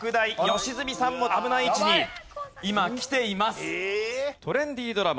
良純さんも危ない位置に今来ています。